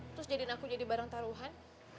terus jadiin aku jadi barang taruhan